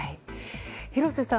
廣瀬さん